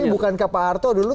tapi bukankah pak harto dulu